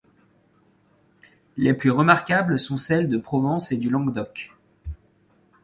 Les plus remarquables sont celles de Provence et du Languedoc.